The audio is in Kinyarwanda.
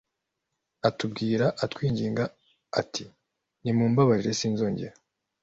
atubwira atwinginga ati mumbabarire sinzongera